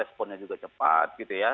responnya juga cepat gitu ya